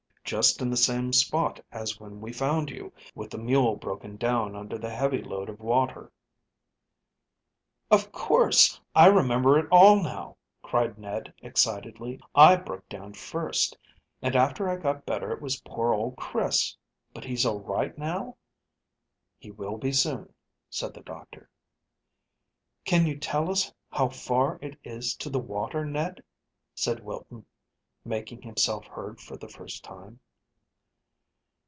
"Just in the same spot as when we found you, with the mule broken down under the heavy load of water." "Of course. I remember it all now," cried Ned excitedly. "I broke down first, and after I got better it was poor old Chris. But he's all right now?" "He will be soon," said the doctor. "Can you tell us how far it is to the water, Ned?" said Wilton, making himself heard for the first time.